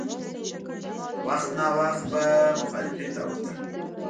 وخت ناوخت به مخالفین راوتل.